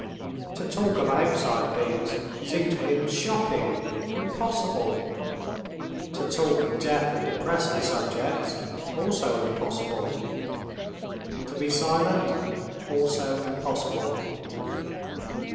To talk of outside things seemed to him shocking, impossible, to talk of death and depressing subjects—also impossible. To be silent, also impossible.